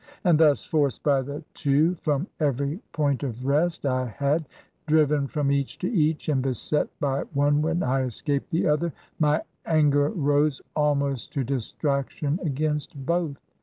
And thus — forced by the two from every point of rest I had, ... driven from each to each, and beset by one when I es caped the other — ^my anger rose almost to distraction against both.